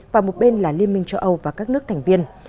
và một bên là liên minh châu âu và các nước thành viên